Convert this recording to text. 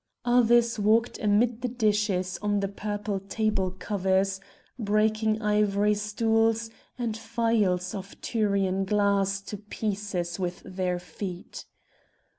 Others walked amid the dishes on the purple table covers, breaking ivory stools, and phials of Tyrian glass to pieces with their feet.